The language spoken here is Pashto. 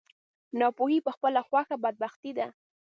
ناپوهي په خپله خوښه بدبختي ده.